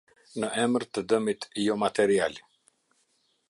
Në emër të dëmit jomaterial.